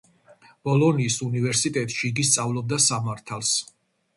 ბოლონიის უნივერსიტეტში იგი სწავლობდა სამართალს.